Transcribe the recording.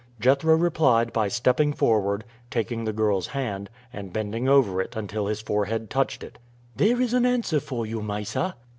Jethro replied by stepping forward, taking the girl's hand, and bending over it until his forehead touched it. "There is an answer for you, Mysa."